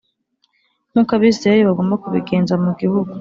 nk’uko Abisirayeli bagomba kubigenza mu gihugu